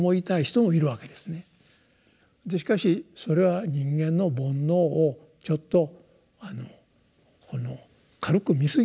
しかしそれは人間の「煩悩」をちょっと軽く見すぎている。